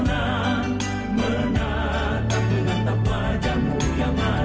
menatap dengan tapu wajahmu yang manis